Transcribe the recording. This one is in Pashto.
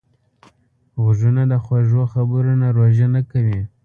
غوږونه د خوږو خبرو نه روژه نه کوي